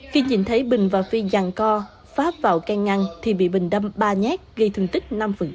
khi nhìn thấy bình và phi dàn co pháp vào can ngăn thì bị bình đâm ba nhát gây thương tích năm